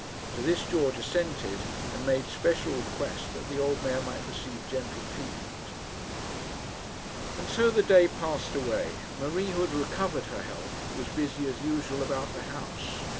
To this George assented, and made special request that the old mare might receive gentle treatment. And so the day passed away. Marie, who had recovered her health, was busy as usual about the house.